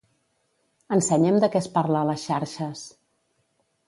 Ensenya'm de què es parla a les xarxes.